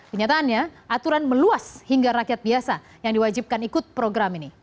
kenyataannya aturan meluas hingga rakyat biasa yang diwajibkan ikut program ini